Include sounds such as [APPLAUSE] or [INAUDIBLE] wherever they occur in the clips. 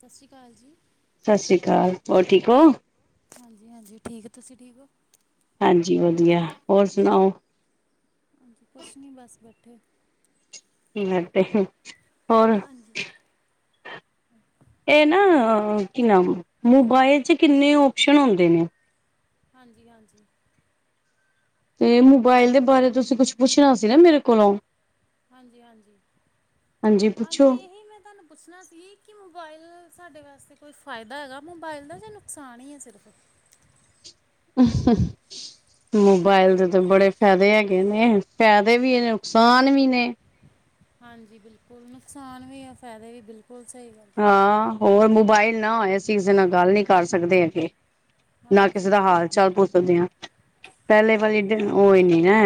ਸਤ ਸ਼੍ਰੀ ਅਕਾਲ ਜੀ। ਸਤਿ ਸ਼੍ਰੀ ਅਕਾਲ। ਹੋਰ ਠੀਕ ਓ ਹਾਂਜੀ ਹਾਂਜੀ ਠੀਕ, ਤੁਸੀ ਠੀਕ ਓ? ਹਾਂਜੀ ਵਧੀਆ ਹੋਰ ਸੁਨਾਓ। ਕੁਛ ਨੀ ਬਸ ਬੈਠੇ। ਕੀ ਕਰਤੇ ਹੋਰ। [INAUDIBLE] ਏ ਨਾ ਹੋਰ ਕੀ ਨਾਮ ਮੋਬਾਇਲ ਚ ਕਿੰਨੇ ਓਪਸ਼ਨ ਹੁੰਦੇ ਨੇ। ਹਾਂਜੀ-ਹਾਂਜੀ। ਤੇ ਮੋਬਾਇਲ ਦੇ ਬਾਰੇ ਤੁਸੀ ਕੁਛ ਪੁੱਛਣਾ ਸੀ ਨਾ ਮੇਰੇ ਕੋਲੋਂ। ਹਾਂਜੀ-ਹਾਂਜੀ, ਹਾਂਜੀ ਏਹੀ ਮੈਂ ਤਾਨੂੰ ਪੁੱਛਨਾ ਸੀ ਕਿ ਮੋਬਾਇਲ ਸਾਡੇ ਵਾਸਤੇ ਕੋਈ ਫਾਏਦਾ ਹੈਗਾ ਮੋਬਾਇਲ ਦਾ ਜਾਂ ਨੁਕਸਾਨ ਈ ਐ ਸਿਰਫ਼। [UNINTELLIGIBLE] ਮੋਬਾਇਲ ਦੇ ਤੇ ਬੜੇ ਫੈਦੇ ਹੈਗੇ ਨੇ ਫੈਦੇ ਵੀ ਨੁਕਸਾਨ ਵੀ ਨੇ। ਹਾਂਜੀ ਬਿਲਕੁਲ ਨੁਕਸਾਨ ਵੀ ਐ ਫੈਦੇ ਵੀ ਬਿਲਕੁਲ ਸਈ ਆ। ਹਾਂ ਹੋਰ ਮੋਬਾਇਲ ਨਾ ਹੋਏ ਅਸੀ ਕਿਸੇ ਨਾਲ ਗੱਲ ਨੀ ਕਰ ਸਕਦੇ ਹੈਗੇ। ਨਾ ਕਿਸੇ ਹਾਂਜੀ ਦਾ ਹਾਲ ਚਾਲ ਪੁੱਛ ਸਕਦੇ ਆ। ਪੈਲੇ ਹਾਂਜੀ ਵਾਲੀ ਓਈ ਨੀ ਐ।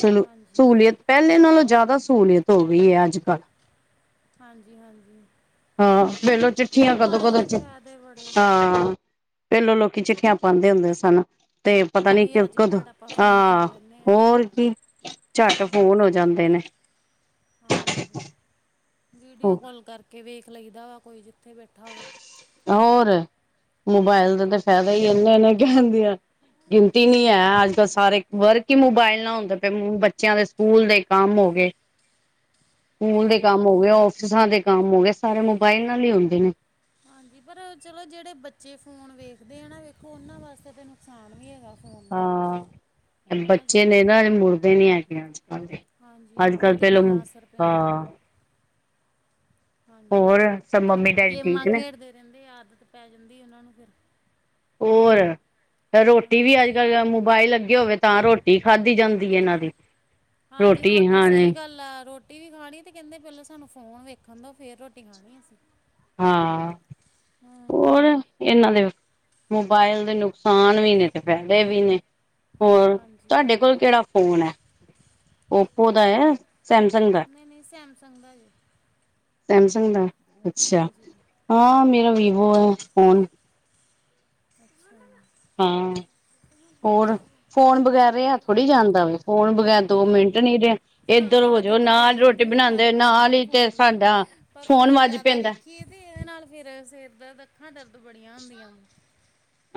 ਸੁਨੋ ਹਾਂਜੀ ਸੂਲੀਅਤ। ਪੈਲੇ ਨਾਲੋਂ ਜਾਦਾ ਸਹੂਲੀਅਤ ਹੋਗੀ ਏ ਅੱਜ-ਕੱਲ। ਹਾਂਜੀ-ਹਾਂਜੀ। ਹਾਂ ਵੇਲੋ ਚਿੱਠੀਆਂ ਕਦੋਂ ਕਦੋਂ ਚ, ਫਾਇਦੇ ਬੜੇ ਹਾਂ। ਪੇਲੋਂ ਲੋਕੀ ਚਿੱਠੀਆਂ ਪਾਂਦੇ ਹੁੰਦੇ ਸਨ ਤੇ ਪਤਾ ਨੀ ਇਹ ਕਿ ਅੱਜ ਕਦੋਂ ਬੜਾ ਆਪਾਂ ਫੋਨ ਕਰ ਹਾਂ ਲੈਂਦੇ ਹਾਂ। ਹੋਰ ਕੀ ਝੱਟ ਹਾਂ ਫੋਨ ਹੋ ਜਾਂਦੇ ਨੇ। [UNINTELLIGIBLE] ਹਾਂਜੀ, ਵੀਡੀਓ ਕੋਲ ਕਰਕੇ ਵੇਖ ਲਈਦਾ ਵਾਂ ਕੋਈ ਜਿੱਥੇ ਬੈਠਾ ਹੋਵੇ। ਹੋਰ, ਮੋਬਾਇਲ ਦੇ ਤੇ ਫੈਦੇ ਈ ਏਨੇ ਨੇ ਕੈਨਦੀ ਗਿਣਤੀ ਨੀ ਹੈ ਅੱਜ-ਕੱਲ ਸਾਰੇ ਵਰਕ ਈ ਮੋਬਾਇਲ ਨਾ ਹੁੰਦੇ ਪਏ ਬੱਚੇਆਂ ਦੇ ਸਕੂਲ ਦੇ ਕੰਮ ਹੋ ਗਏ। [INAUDIBLE] ਸਕੂਲ ਦੇ ਹਾਂਜੀ ਕੰਮ ਹੋ ਗਏ ਓਫੀਸਾਂ ਦੇ ਕੰਮ ਹੋ ਗਏ ਸਾਰੇ ਮੋਬਾਇਲ ਨਾਲ ਈ ਹੁੰਦੇ ਨੇ। ਹਾਂਜੀ, ਪਰ ਚਲੋ ਜੇੜੇ ਬੱਚੇ ਫੋਨ ਵੇਖਦੇ ਆ ਨਾ ਵੇਖੋ ਓਨਾਂ ਵਾਸਤੇ ਤਾਂ ਨੁਕਸਾਨ ਵੀ ਹੈਗਾ। ਫੋਨ ਦਾ ਹਾਂ, ਹਨਾ ਜੀ ਬੱਚੇ ਨੇ ਨਾ ਮੁੜਦੇ ਨੀ ਹੈਗੇ ਅੱਜ-ਕੱਲ ਦੇ। ਹਾਂਜੀ ਅੱਜ ਅੱਖਾਂ ਕੱਲ ਤੇ ਪਹਿਲੋਂ ਕਿੰਨਾ ਅਸਰ ਪੈਂਦਾ ਵਾ। ਹਾਂ ਹਾਂਜੀ, ਹੋਰ ਸਭ ਮੰਮੀ ਡੈਡੀ ਠੀਕ ਗੇਮਾਂ ਨੇ ਖੇਡਦੇ ਰੇਂਦੇ, ਆਦਤ ਪੈ ਜਾਂਦੀ ਓਨਾ ਨੂੰ ਫੇਰ। ਹੋਰ, ਰੋਟੀ ਹਨਾ ਵੀ ਅੱਜ-ਕੱਲ ਮੋਬਾਇਲ ਅਗੇ ਹੋਵੇ। ਤਾਂ ਰੋਟੀ ਖਾਦੀ ਜਾਂਦੀ ਏ ਏਨਾਂ ਦੀ। ਹਾਂਜੀ, ਰੋਟੀ ਸਈਂ ਗੱਲ ਐ ਰੋ- ਵੀ ਖਾਣੀ ਤੇ ਕੈਂਦੇ ਪੈਲਾਂ ਸਾਨੂੰ ਫੋਨ ਵੇਖਣ ਦਿਉ, ਫੇਰ ਰੋਟੀ ਖਾਣੀ ਅਸੀ। ਹੂੰ। ਏਨਾਂ ਦੇ ਮੋਬਾਇਲ ਦੇ ਨੁਕਸਾਨ ਵੀ ਨੇ, ਤੇ ਫੈਦੇ ਵੀ ਨੇ। ਹੋਰ, ਹਾਂਜੀ ਤਾਡੇ ਕੋਲ ਕੇੜਾ ਫੋਨ ਐ। ਓਪੋ ਦਾ ਐ ਸੈਮਸੰਗ ਦਾ, ਨਹੀਂ ਨਹੀਂ ਸੈਮਸੰਗ ਦਾ ਜੀ ਸੈਮਸੰਗ ਦਾ। ਅੱਛਾ ਹਾਂਜੀ ਹਾਂ, ਮੇਰਾ ਵੀਵੋ ਐ ਫੋਨ। [UNINTELLIGIBLE] ਅੱਛਾ। ਹਾਂ। ਹੋਰ ਫੋਨ ਬਗੈਰ ਰੇਆ ਥੋੜ੍ਹੀ ਜਾਂਦਾ ਵੇ, ਫੋਨ ਬਗੈਰ ਦੋ ਨਹੀਂ ਮਿੰਟ ਨੀਂ ਰੇਆ ਏਦਰ ਹਾਂ ਹ ਜੋ ਆਦਤ ਪੈ ਨਾਲ ਰੋਟੀ ਜਾਂਦੀ ਨਾ ਬਣਾਦੇ ਹਰ ਹੋ ਕਿਸੇ ਨਾਲ ਨੂੰ ਈਂ ਤੇ ਫੋਨ ਸਾਡਾ ਫੋਨ ਵੱਜ ਪੈਂਦੈ। ਈਜੀ ਤੇ ਏਦੇ ਨਾਲ ਫੇਰ ਸਿਰ, ਅੱਖਾਂ ਦਰਦ ਬੜੀਆਂ ਹੁੰਦੀਆਂ ਵਾਂ।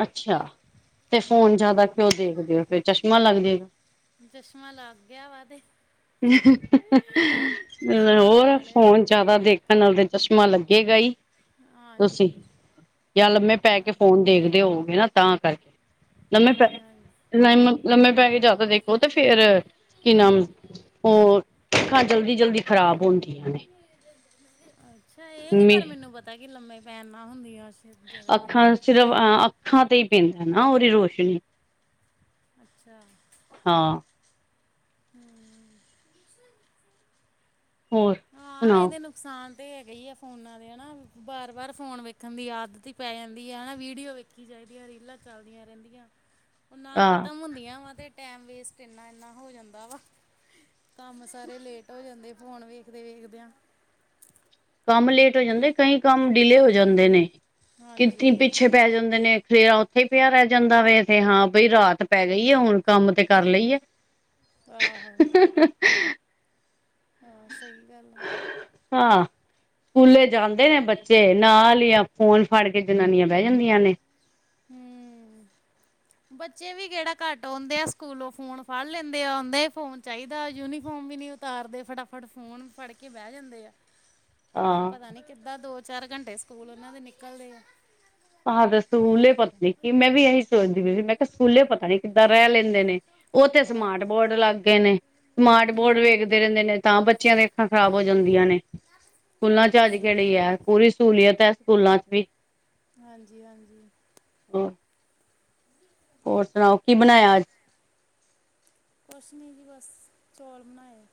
ਅੱਛਾ, ਤੇ ਫੋਨ ਜਾਦਾ ਕਿਉਂ ਦੇਖਦੇ ਓ, ਫੇਰ ਚਸ਼ਮਾ ਲੱਗ ਜੇਗਾ। ਚਸ਼ਮਾਂ ਲੱਗ ਗਿਆ ਵਾ ਤੇ। [UNINTELLIGIBLE] ਚਸ਼ਮਾ ਹੋਰ ਲਵਾ ਲਿਆ ਫੋਨ ਹੈ। ਜਾਦਾ ਦੇ ਚਸ਼ਮਾ ਲੱਗੇਗਾ ਈ, ਹਾਂਜੀ ਤੁਸੀਂਯਾਂ ਲੰਮੇ ਪੈ ਹਾਂ- ਕੇ ਫੋਨ ਦੇਖਦੇ। ਹੋਓਗੇ ਨਾ ਤਾਂ ਕਾਰਕੇ। ਹਾਂਜੀ-ਹਾਂਜੀ। ਲਮ ਲੰਮੇ ਪੈ ਕੇ ਜਾਦਾ ਦੇਖੋ ਤੇ ਫੇਰ ਕੀ ਨਾਮ ਓ ਅੱਖਾਂ ਜਲਦੀ-ਜਲਦੀ ਖਰਾਬ ਹੁੰਦੀਆਂ ਨੇ। ਅੱਛਾ, ਏ ਨੀ ਪਰ ਮੈਨੂੰ ਪਤਾ ਕੀ ਲੰਮੇ ਪੈਨ ਨਾਲ ਹੁੰਦੀਆ। ਅੱਖਾਂ ਸਿਰਫ, ਅਹ ਅੱਖਾਂ ਤੇ ਈਂ ਪੈਂਦਾ ਨਾ ਓਦੀ ਰੋਸ਼ਨੀ। ਅੱਛਾ। ਹਾਂ। ਹੂੰ। ਹੋਰ, ਹਾਂ ਸੁਨਾਓ। ਇਹਦੇ ਨੁਕਸਾਨ ਤੇ ਹੈਗਾ ਈਂਆ ਫੋਨਾਂ ਦੇ ਹਨਾ, ਵਾਰ-ਵਾਰ ਫੋਨ ਵੇਖਣ ਦੀ ਆਦਤ ਈ ਪੈ ਜਾਂਦੀਐ, ਹਨਾ ਵੀਡੀਓ ਵੇਖ ਦੇਖੀਂ ਜਾਦੀਆਂ ਰੀਲਾਂ ਚੱਲਦੀਆਂ ਰੈਂਦੀਆਂ, ਓ ਨਾ ਆਹ ਖਤਮ ਹੁੰਦੀਆਂ ਵਾ ਤੇ ਟਾਈਮ ਵੇਸਟ ਏਨਾ-ਏਨਾ ਹੋ ਜਾਂਦਾ ਵਾ, ਕੰਮ ਸਾਰੇ ਲੇਟ ਹੋ ਜਾਂਦੇ ਫੋਨ ਵੇ ਵੇਖਦੇ ਵੇਖਦਿਆਂ। ਕੰਮ ਲੇਟ ਹੋ ਜਾਂਦੇ, ਕਈ ਕੰਮ ਡਿਲੇ ਹੋ ਜਾਂਦੇ ਨੇ ਹਾਂਜੀ ਕਿਥੇ ਪਿੱਛੇ ਪੈ ਜਾਂਦੇ ਨੇ ਖੇਰਾ ਓਥੇ ਪੇਆ ਰੈ ਜਾਂਦਾ ਵੇ ਤੇੇ ਹਾਂ ਬਈ, ਰਾਤ ਪੈ ਗਈਏ ਹੁਣ ਕੰਮ ਤੇ ਕਰ ਲਈਏ। ਆਹੋ। [INAUDIBLE] ਹਾਂ, ਸਈ ਗੱਲ ਏ। ਹਾਂ, ਸਕੂਲੇ ਜਾਂਦੇ ਨੇ ਬੱਚੇ ਨਾਲ ਈਆ ਫੋਨ ਫੜ ਕੇ ਜਨਾਨੀਆਂ ਬੈ ਜਾਂਦੀਆਂ ਨੇ। ਹੂੰ। ਬੱਚੇ ਵੀ ਕੇੜਾ ਘੱਟ ਆਉਂਦੇ ਆ ਸਕੂਲੋਂ ਫੋਨ ਫੜ ਲੈਂਦੇ, ਆਦੇ ਫੋਨ ਚਾਈਦਾ ਯੂਨੀਫਾਰਮ ਵੀ ਨੀ ਤਾਰਦੇ ਫਟਾਫਟ ਫੋਨ ਫੜ ਕੇ ਬੈ ਜਾਂਦੇ ਆ। ਹਾਂ ਪਤਾ ਨੀ ਕਿੱਦਾਂ ਦੋ-ਚਾਰ ਘੰਟੇ ਸਕੂਲ ਓਨਾਂ ਦੇ ਨਿਕਲਦੇ ਆ। ਹਾਂ ਦੇ ਸਕੂਲੇ ਪਤਾ ਨੀ ਕਿ ਮੈਂ ਵੀ ਏਈ ਸੋਚਦੀ ਸੀਗੀ ਮੈਂ ਕੇਆ ਸਕੂਲੇ ਪਤਾ ਨੀ ਕਿੱਦਾਂ ਰੈ ਲੈਂਦੇ ਨੇ। ਓਥੇ ਆਹ ਸਮਾਰਟ ਬੋਰਡ ਲੱਗ ਗਏ ਨੇ, ਸਮਾਰਟ ਬੋਰਡ ਵੇਖਦੇ ਹੂੰ ਰੈਂਦੇ ਨੇ। ਤਾਂ ਬੱਚੇਆਂ ਦੇ ਅੱਖਾਂ ਖਰਾਬ ਹੋ ਜਾਂਦੀਆਂ ਨੇ, ਸਕੂਲਾਂ ਚ ਅੱਜ ਹਾਂਜੀ ਕੇੜੀ ਐ ਪੂਰੀ ਸਹੂਲੀਅਤ ਐ ਸਕੂਲਾਂ ਚ ਵੀ ਹਾਂਜੀ-ਹਾਂਜੀ। ਆਹ [UNINTELLIGIBLE] ਹੋਰ ਸੁਣਾਓ ਕੀ ਬਨਾਇਆ ਅੱਜ? ਕੁਸ਼ ਨਹੀਂ ਜੀ ਬਸ ਚੌਲ ਬਨਾਏ ਐ।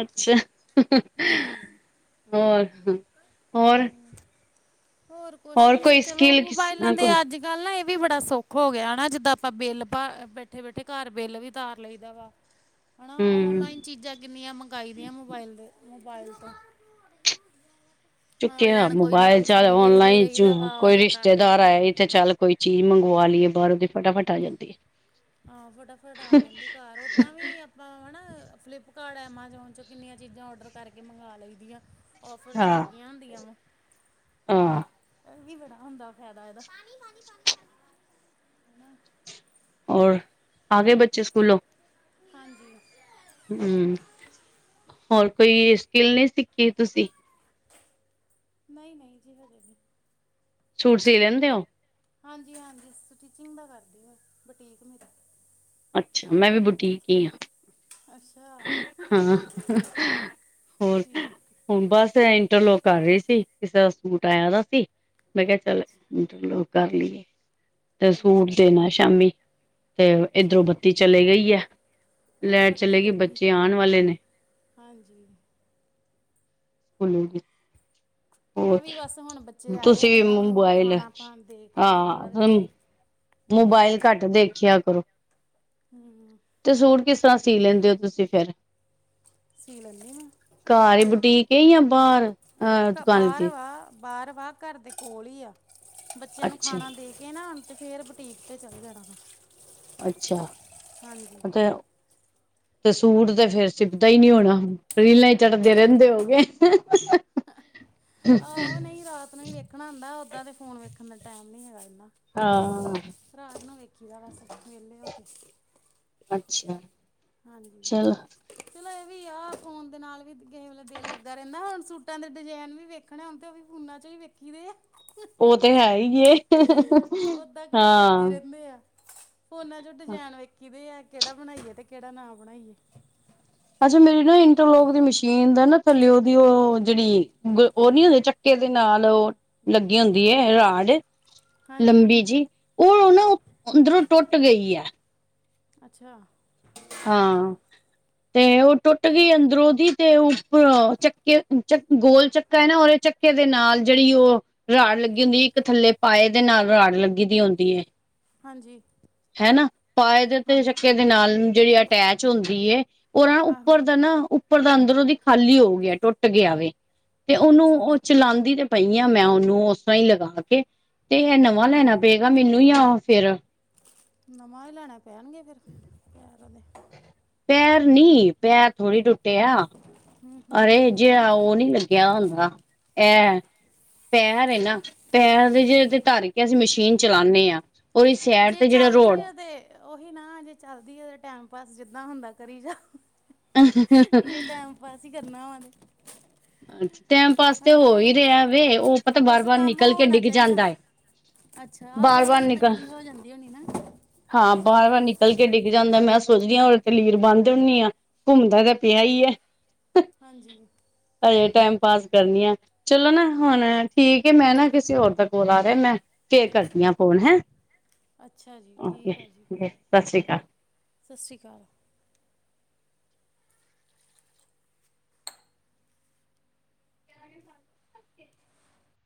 ਅੱਛਾ ਹਾਂਜੀ ਹੁ ਹੋਰ ਹੋਰ ਹੋਰ ਕੋਸ਼ ਨੀ ਕੋਈ ਚਲੋ ਸਕਿੱਲ ਮੋਬਾਇਲਾਂ ਦੇ ਅੱਜ ਕਲ ਨਾ ਇਹ ਵੀ ਬੜਾ ਸੌਖਾ ਹੋ ਗਿਆ ਹਨਾਂ ਜਿੱਦਾਂ ਆਪਾਂ ਬਿੱਲ ਭ ਬੈਠੇ ਬੈਠੇ ਘਰ ਬਿੱਲ ਵੀ ਤਾਰ ਲਈਦਾ ਵਾ। ਹਨਾ ਹੂੰ ਓਨਲਾਈਨ ਚੀਜ਼ਾਂ ਕਿੰਨੀਆਂ ਮੰਗਾਈਦੀਆਂ ਮੋਬਾਇਲ ਦੇ ਮੋਬਾਇਲ ਤੋਂ ਚੁੱਕਿਆ ਔਨਲਾਈਨ ਕੋਈ ਨਾ ਮੋਬਾਇਲ ਕੋਈ ਚੱਲ ਚੀਜ਼ ਵੇਖਦੇ ਔਨਲਾਈਨ ਚ ਰਹੀਦਾ ਵਾ ਕੋਈ ਔਡਰ ਕਰ ਰਿਸ਼ਤੇਦਾਰ ਦਈਦੀ ਆ ਆਇਆ ਤੇ ਚੱਲ ਕੋਈ ਚੀਜ਼ ਮੰਗਵਾ ਲਈਏ ਬਾਹਰੋਂ ਦੀ ਫਟਾਫਟ ਆ ਜਾਂਦੀ ਐ। ਹਾਂ ਫਟਾਫਟ ਆ ਜਾਂਦੀ ਘਰ ਓਦਾਂ ਵੀ ਆਪਾ ਹੈਨਾ ਫਲਿੱਪਕਾਰਟ ਐਮਾਜੋਨ ਚੋਂ ਕਿੰਨੀਆਂ ਚੀਜ਼ਾਂ ਔਡਰ ਕਰਕੇ ਮੰਗਾ ਲਈ ਦੀਆਂ। ਔਫ਼ਰ ਹੈ 'ਚ ਹਾਂ ਲੱਗੀਆਂ ਹੁੰਦੀਆਂ ਵਾ। ਹਾਂ ਇਹ ਵੀ ਬੜਾ ਹੁੰਦਾ ਫੈਦਾ ਇਹਦਾ। ਔਰ ਆ ਗਏ ਬੱਚੇ ਸਕੂਲੋਂ? ਹਾਂਜੀ। ਹੁ ਹੋਰ ਕੋਈ ਸਕਿੱਲ ਨਹੀਂ ਸਿੱਖੀ ਤੁਸੀਂ? ਨਹੀਂ-ਨਹੀਂ ਜੀ, ਹਜੇ ਨੀ। ਸੂਟ ਸੀ ਲੈਂਦੇ ਹੋ? ਹਾਂਜੀ- ਹਾਂਜੀ ਸਟੀਿਚਿੰਗ ਦਾ ਕਰਦੀ ਆ, ਬੁਟੀਕ ਮੇਰਾ ਅੱਛਾ ਮੈਂ ਵੀ ਬੁੱਟੀਕ ਈ ਆ। ਅਸ [UNINTELLIGIBLE] ਹਾਂ ਠੀਕ ਹੁਨ ਬਸ ਇਹ ਇੰਟਰਲੋਕ ਕਰ ਰਹੀ ਸੀ ਕਿਸੇ ਦਾ ਸੂਟ ਆਇਆ ਦਾ ਸੀ ਮੈਂ ਕਿਹਾ ਚੱਲ ਅੱਛਾ ਇੰਟਰਲੋਕ ਕਰ ਲਈਏ। ਤੇ ਸੂਟ ਅੱਛਾ ਅੱਛਾ ਦੇਨਾ ਸ਼ਾਮੀ ਤੇ ਅੱਛਾ ਇਧਰੋਂ ਬੱਤੀ ਚਲੇ ਗਈ ਐ। ਆ ਲੈ ਬੱਤੀ ਚਲੇਗੀ ਬੱ ਗਈ ਚੇ ਆਨ ਵਾਲੇ ਨੇ। ਹਾਂਜੀ। ਹੁਣ ਜੀ। [UNINTELLIGIBLE] ਮੈਂ ਵੀ ਬਸ ਹੁਣ ਬੱਚੇ ਆਏ ਆ ਤੁਸੀਂ ਤੇ ਵੀ ਇਹਨਾਂ ਨੂੰ ਮੋਬਾਇਲ ਖਾਣਾ-ਪਾਣ ਦੇ ਕੇ ਤੇ ਬਾਅਦ ਹਾਂ ਵਿੱਚ ਫੇਰ ਮੋਬਾਇਲ ਆਪਣਾ ਘੱਟ ਕੰਮ ਦੇਖਿਆ ਕਰੋ। ਹੂੰ ਤੇ ਸੂਟ ਕਿਸ ਤਰ੍ਹਾਂ ਸੀ ਲੈਂਦੇ ੳ ਤੁਸੀਂ ਫੇਰ? ਸੀ ਲੈਂਦੀ ਮੈਂ ਘਰ ਹੀ ਬੁਟੀਕ ਯਾ ਬਾਰ ਅਹ ਦੁਕਾਨ ਤੇ ਬਾਰ ਵਾ ਘਰ ਦੇ ਕੋਲ ਹੀ ਆ ਬੱਚਿਆਂ ਨੂੰ ਅੱਛਾ ਖਾਣਾ ਦੇ ਕੇ ਕੇ ਨਾ ਤੇ ਫੇਰ ਬੁਟੀਕ ਤੇ ਚਲ ਜਾਣਾ ਵਾ ਅੱਛਾ ਹਾਂਜੀ [UNINTELLIGIBLE] [UNINTELLIGIBLE] [INAUDIBLE] [INAUDIBLE] ਤੇ ਸੂਟ ਤੇ ਫੇਰ ਸੀਪਦਾ ਹੀ ਨਹੀਂ ਹੋਣਾ ਰੀਲਾਂ ਹੀ ਚੜਦੇ ਰਹਿੰਦੇ ਹੋ ਗਏ। ਆਹੋ ਨਹੀਂ ਰਾਤ ਨੂੰ ਹੀ ਵੇਖਣਾ ਹੁੰਦਾ, ਓਦਾਂ ਦੇ ਫੋਨ ਵੇਖਣ ਦਾ ਟਾਈਮ ਨੀ ਹੈਗਾ ਇਨਾਂ। ਹਾਂ। ਰਾਤ ਨੂੰ ਵੇਖੀ ਦਾ ਬਸ ਵੇਹਲੇ ਹੋ ਕੇ। ਅੱਛਾ। ਹਾਂਜੀ। ਚਲੋ ਚਲੋ ਏ ਵੀ ਆ ਫ਼ੋਨ ਦੇ ਨਾਲ ਵੀ ਗੇ ਵੇਲੇ ਦਿਲ ਲੱਗਾ ਰੈਂਦਾ ਹੁਣ ਸੂਟਾਂ ਦੇ ਡਿਜਾਇਨ ਵੀ ਵੇ ਖਣੇ ਹੁੰਦੇ ਆ ਓ ਵੀ ਫੋਨਾ 'ਚ ਈ ਵੇਖੀ ਦੇ ਆ। ਓ ਤੇ ਹੈ ਈ ਏ, ਓਦਾਂ ਕਿਹੜਾ ਚੇਤੇ ਹਾਂ। ਰਹਿੰਦੇ ਆ। ਫੋਨਾਂ 'ਚ ਡਿਜਾਇਨ ਵੇਖੀ ਦੇ ਆ ਕੇੜਾ ਬਣਾਈਏ ਤੇ ਕੇੜਾ ਨਾ ਬਣਾਈਏ। ਅੱਛਾ ਮੇਰੀ ਨਾ ਇੰਟਰਲੋਕ ਦੀ ਮਸ਼ੀਨ ਦਾ ਨਾ ਥੱਲੇ ਓ ਦੀ ਓ ਜੇੜੀ ਗ ਓ ਨੀ ਹੁੰਦੇ ਚ ਕੇ ਦੇ ਨਾਲ ਓ ਲੱਗੀ ਹੁੰਦੀ ਏ ਰਾਡ ਹਾਂਜੀ। ਲੰਬੀ ਜੀ ਓ-ਓ ਨਾ ਅੰਦਰੋਂ ਟੁੱਟ ਗਈ ਐ। ਅੱਛਾ। ਹਾਂ। ਤੇ ਓ ਟੁੱਟ ਗਈ ਅੰਦਰੋਂ ਦੀ ਤੇ ਉੱਪਰ ਚੱਕੇ ਚੱਕ ਗੋਲ ਚੱਕਾ ਐ ਨਾ ਉਦੇ ਚ ਕੇ ਦੇ ਨਾਲ ਜੇੜੀ ਓ ਰਾੜ ਲੱਗੀ ਹੁੰਦੀ ਇੱਕ ਥੱਲੇ ਪਾਏ ਦੇ ਨਾਲ ਰਾੜ ਲੱਗੀ ਦੀ ਹੁੰਦੀ ਏ। ਹਾਂਜੀ। ਹੈਨਾ ਪਾਏ ਦੇ ਤੇ ਹਾਂਜੀ ਚੱਕੇ ਦੇ ਨਾਲ ਨੂੰ ਜੇੜੀ ਅਟੈਚ ਹੁੰਦੀ ਏ ਓਰਾ ਨਾ ਆਹੋ ਉੱਪਰ ਦਾ ਨਾ, ਉੱਪਰ ਦਾ ਅੰਦਰੋੰ ਦੀ ਖਾਲੀ ਹੋ ਗਿਆ ਟੁੱਟ ਗਿਆ ਵੇ। ਤੇ ਉਨੂੰ ਅੱਛਾ ਓ ਚਲਾਂਦੀ ਤੇ ਪਈ ਆ ਮੈਂ ਉਨੂੰ ਉਸ ਤਰਾਂ ਈ ਲਗਾ ਕੇ ਤੇ ਏ ਹੂੰ ਨਵਾਂ ਹੂੰ ਲੈਣਾ ਪੇਗਾ ਮੈਨੂੰ ਜਾਂ ਫੇਰ ਨਵਾਂ ਈ ਲੈਣੇ ਪੈਣਗੇ ਫੇਰ, ਪੈਰ ਦੇ। ਪੈਰ ਨੀ ਪੈਰ ਥੋੜੀ ਟੁੱਟੇ ਆ, ਅਰੇ ਜੇੜਾ ਓ ਨੀ ਲੱ ਗਿਆ ਹੁੰਦਾ ਐ ਪੈਰ ਏ ਨਾ, ਪੈਰ ਜੇਰੇ ਤੇ ਤਰ ਕੇ ਅਸੀਂ ਮਸ਼ੀਨ ਚਲਾਨੇ ਆ ਓ ਦੀ ਸੈਡ ਜੇ ਤੇ ਜੇੜਾ ਚੱਲਦੀ ਰੋੜ ਹੈ ਤੇ ਉਹੀ ਨਾ ਜੇ ਚੱਲਦੀ ਏ ਤਾਂ ਟਾਈਮ ਪਾਸ ਜਿੱਦਾਂ ਹੁੰਦਾ ਕਰੀ ਜਾ। ਜੇ ਟਾਈਮ ਪਾਸ ਈ ਕਰਨਾ ਹੋਵਾ ਤੇ। ਟਾਇਮ ਪਾਸ ਤੇ ਹਨਾ ਹੋ ਈ ਇਹ ਰੇਆ ਵੇ ਓ ਪਤਾ ਬਸ ਬਾਰ-ਬਾਰ ਕੰਮ ਨਿਕਲ ਕੇ ਹੋਣਾ ਡਿੱਗ ਚਾਹੀਦਾ ਜਾਂਦਾ ਐ। ਅੱਛਾ ਆਹੋ ਏਈ ਤੰਗੀ ਹੋ ਜਾਂਦੀ ਹੋਣੀ ਨਾ। ਹਾਂ ਬਾਰ-ਬਾਰ ਨਿਕਲ ਕੇ ਡਿੱਗ ਜਾਂਦਾ ਮੈਂ ਸੋਚਦੀ ਆ ਉਰੇ ਤੇ ਲੀਰ ਬੰਨ ਦਿੰਨੀ ਆ। ਘੁੰਮਦਾ ਤਾਂ ਪਿਆ ਈ ਐ। ਹਾਂਜੀ। ਹਜੇ ਟਾਈਮ ਪਾਸ ਕਰਨੀ ਆ ਚਲੋ ਨਾ ਹੁਣ ਠੀਕ ਏ ਮੈਂ ਨਾ ਕਿਸੀ ਹੋਰ ਦਾ ਕਾਲ ਆ ਰੇਆ ਮੈਂ ਕੇ ਕਰਦੀ ਆ ਫ਼ੋਨ ਹੈਂ, ਅੱਛਾ ਜੀ ਓਕੇ ਠੀਕ ਐ ਸ਼ ਸ਼੍ਰੀ ਕਾਲ। ਸ਼ ਸ਼੍ਰੀ ਕਾਲ।